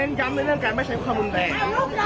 เราเน้นย้ำในเรื่องการไม่ใช้ความวุนแรง